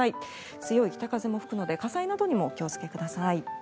強い北風も吹くので火災にもお気をつけください。